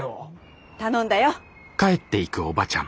頼んだよ。